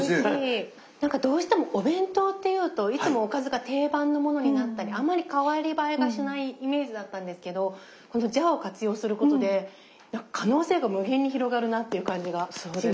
どうしてもお弁当というといつもおかずが定番のものになったりあまり代わり映えがしないイメージだったんですけどこのジャーを活用することで可能性が無限に広がるなっていう感じがしました。